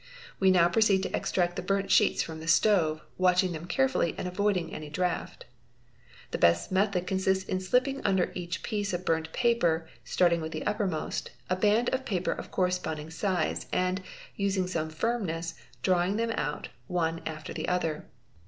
We now proceed to extract the burnt sheets from the stove, watching them carefully and avoiding any draught. _ The best method consists in slipping under each piece of burnt paper, starting with the uppermost, a band of paper of corresponding size, and, using some firmness, drawing them out one after the other.